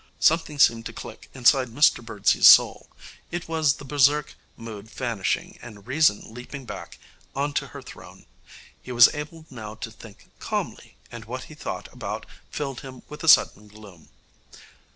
Something seemed to click inside Mr Birdsey's soul. It was the berserk mood vanishing and reason leaping back on to her throne. He was able now to think calmly, and what he thought about filled him with a sudden gloom.